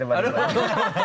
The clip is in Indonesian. baru baru sudah darah gitu